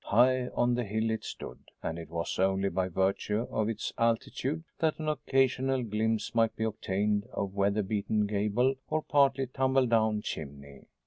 High on the hill it stood, and it was only by virtue of its altitude that an occasional glimpse might be obtained of weatherbeaten gable or partly tumbled down chimney.